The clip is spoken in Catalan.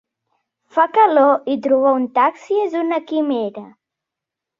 Fa calor i trobar un taxi és una quimera.